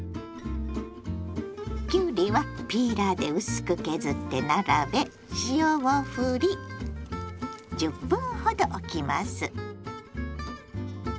きゅうりはピーラーで薄く削って並べ塩をふり１０分ほどおきます。